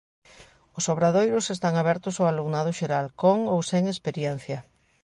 Os obradoiros están abertos ao alumnado xeral, con ou sen experiencia.